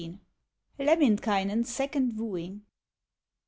LEMMINIKAINEN'S SECOND WOOING.